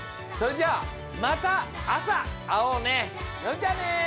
それじゃあまた朝あおうね！